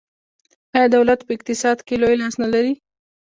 آیا دولت په اقتصاد کې لوی لاس نلري؟